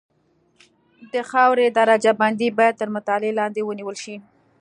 د خاورې درجه بندي باید تر مطالعې لاندې ونیول شي